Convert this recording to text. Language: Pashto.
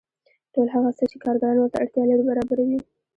ټول هغه څه چې کارګران ورته اړتیا لري برابروي